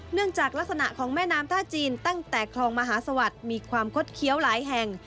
จากลักษณะของแม่น้ำท่าจีนตั้งแต่คลองมหาสวัสดิ์มีความคดเคี้ยวหลายแห่ง